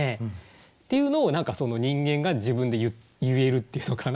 っていうのを何か人間が自分で言えるっていうのかな。